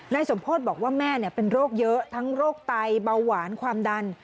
สมโพธิบอกว่าแม่เป็นโรคเยอะทั้งโรคไตเบาหวานความดัน